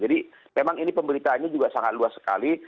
jadi memang ini pemberitaannya juga sangat luas sekali